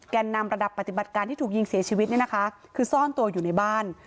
แก่นำระดับปฏิบัติการที่ถูกยิงเสียชีวิตคือซ่อนตัวอยู่ในบ้าน